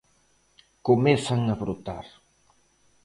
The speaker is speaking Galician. Comezan a brotar.